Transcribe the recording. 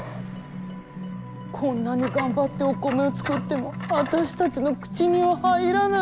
こんなに頑張ってお米を作っても私たちの口には入らない。